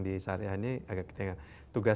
di saryani agak ketinggalan tugas